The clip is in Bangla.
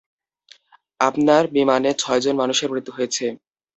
আপনার বিমানে ছয়জন মানুষের মৃত্যু হয়েছে।